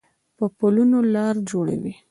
په پلونو لار جوړوي